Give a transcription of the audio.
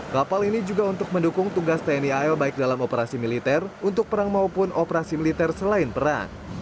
kapal ini juga untuk mendukung tugas tni al baik dalam operasi militer untuk perang maupun operasi militer selain perang